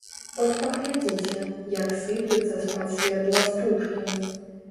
От паглядзіце, як сыплюцца з-пад свердла стружкі.